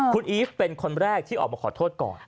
คุณอีฟเป็นคนแรกที่ออกมาขอโทษก่อน